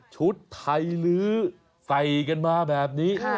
ชุดไทยลื้อใส่กันมาแบบนี้